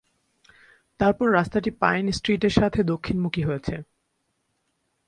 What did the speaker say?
তারপর রাস্তাটি পাইন স্ট্রিটের সাথে দক্ষিণমুখী হয়েছে।